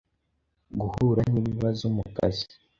Guhura n’ibibazo mu kazi,